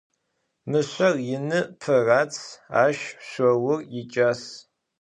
Mışser yinı, pırats, aş şsour yiç'as.